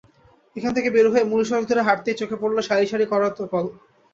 এখান থেকে বের হয়ে মূল সড়ক ধরে হাঁটতেই চোখে পড়ল সারি সারি করাতকল।